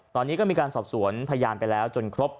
ตอนนี้ก็มีการสอบสวนพยานไปแล้วจนครบ